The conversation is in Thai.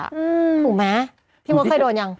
ถูกมั้ยพี่ว่าเคยโดนยัง